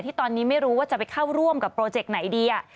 ที่ตอนนี้ไม่รู้ว่าจะไปเข้าร่วมกับโปรเจกต์ไหนดี